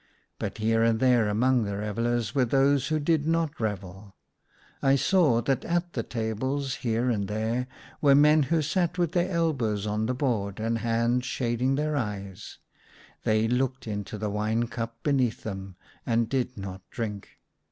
But here and there among the revellers were those who did not revel. I saw that at the tables here and there were men who sat with their elbows on the board and hands shading their eyes ; they looked into the wine cup 1 50 THE SUNLIGH T LAY beneath them, and did not drink.